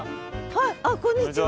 はいあっこんにちは。